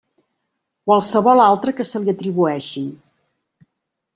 Qualsevol altra que se li atribueixi.